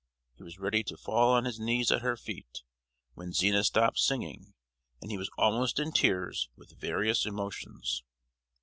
He was ready to fall on his knees at her feet, when Zina stopped singing, and he was almost in tears with various emotions.